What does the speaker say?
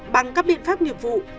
bằng các biện pháp nhiệm vụ